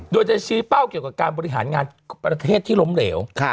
โดยจะชี้เป้าเกี่ยวกับการบริหารงานประเทศที่ล้มเหลว